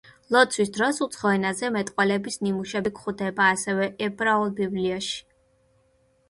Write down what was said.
ლოცვის დროს უცხო ენაზე მეტყველების ნიმუშები გვხვდება ასევე ებრაულ ბიბლიაში.